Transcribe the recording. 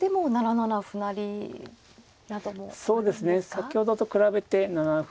先ほどと比べて７七歩